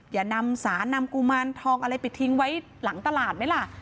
อย่านำสารนำกุมารทองอะไรไปทิ้งไว้หลังตลาดไหมล่ะ